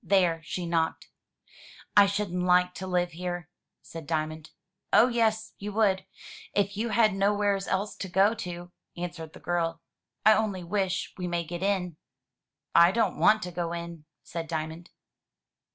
There she knocked. "I shouldn't like to Uve here,'' said Diamond. "Oh, yes, you would, if you had nowheres else to go to," answered the girl. "I only wish we may get in." "I don't want to go in," said Diamond.